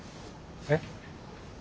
えっ？